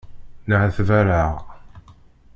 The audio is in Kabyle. Nεetbareɣ.